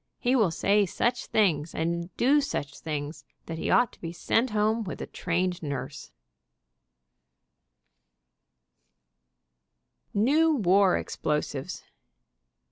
He will say such things, and do such things, that he ought to be sent home with a trained nurse. 82 NEW WAR EXPLOSIVES NEW WAR EXPLOSIVES.